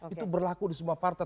itu berlaku di semua partai